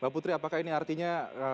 mbak putri apakah ini artinya